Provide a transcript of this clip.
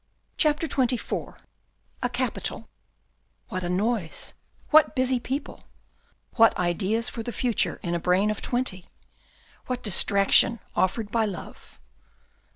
CHAPTER XXIV A CAPITAL What a noise, what busy people I What ideas for the future in a brain of twenty ! What distraction offered by love.